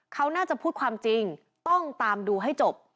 เขาน่าจะพูดความจริงต้องตามดูให้จบ